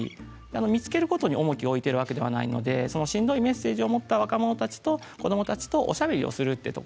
見つけることに重きを置いてるわけじゃないのでしんどいメッセージを持った若者たちと子どもたちがおしゃべりをする。